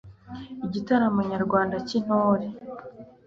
igitaramo nyarwanda cy'intore